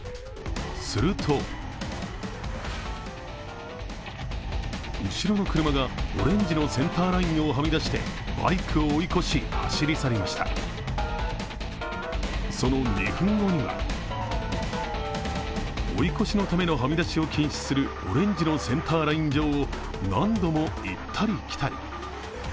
すると、後ろの車がオレンジのセンターラインをはみ出して、バイクを追い越し、走り去りましたその２分後には、追い越しのためにはみ出しを禁止するオレンジのセンターライン上を何度も行ったり来たり。